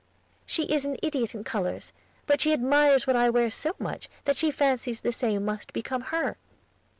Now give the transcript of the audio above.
"She is an idiot in colors; but she admires what I wear so much that she fancies the same must become her."